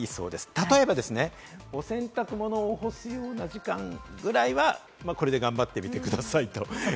例えばですね、お洗濯物を干すような時間ぐらいは、これで頑張ってみてくださいということです。